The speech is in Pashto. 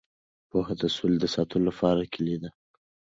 پوهه د سولې د ساتلو لپاره کلیدي ده.